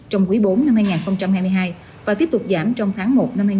trong quý bốn hai nghìn hai mươi hai và tiếp tục giảm trong tháng một hai nghìn hai mươi ba